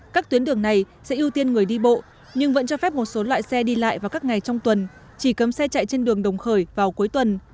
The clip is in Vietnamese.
các tuyến đường này sẽ ưu tiên người đi bộ nhưng vẫn cho phép một số loại xe đi lại vào các ngày trong tuần chỉ cấm xe chạy trên đường đồng khởi vào cuối tuần